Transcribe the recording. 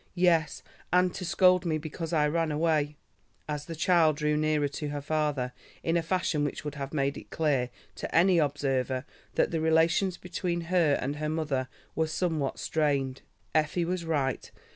"Yes, and to scold me because I ran away," and the child drew nearer to her father in a fashion which would have made it clear to any observer that the relations between her and her mother were somewhat strained. Effie was right.